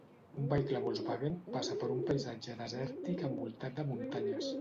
Un vehicle Volkswagen passa per un paisatge desèrtic envoltat de muntanyes.